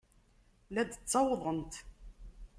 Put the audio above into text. La d-ttawḍent.